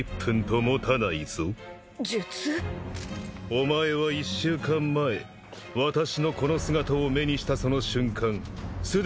お前は１週間前私のこの姿を目にしたその瞬間すでに私の術中に落ちている。